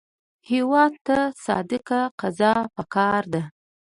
هېواد ته صادق قضا پکار ده